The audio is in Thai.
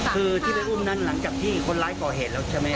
คือที่ไปอุ้มนั้นหลังจากที่คนร้ายก่อเหตุแล้วใช่ไหม